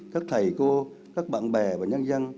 các thầy cô các bạn bè và nhân dân